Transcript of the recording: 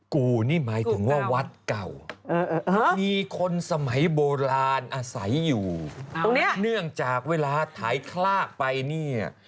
กูนี่หมายถึงว่าวัดเก่ามีคนสมัยโบราณอาศัยอยู่เนื่องจากเวลาถ่ายคลากไปเนี่ย